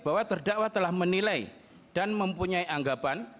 bahwa terdakwa telah menilai dan mempunyai anggapan